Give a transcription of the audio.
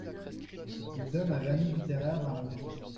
Il donne un vernis littéraire à ma maison…